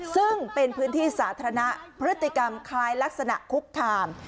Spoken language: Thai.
ซึ่งเป็นพื้นที่สาธารณะพฤติกรรมคล้ายลักษณะคุกคาม